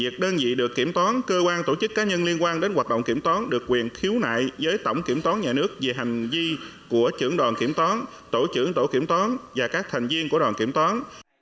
các cơ quan tổ chức có liên quan đến hoạt động kiểm toán tổ trưởng tổ kiểm toán và các thành viên của đoàn kiểm toán